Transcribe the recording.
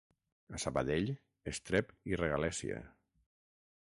A Sabadell, estrep i regalèssia.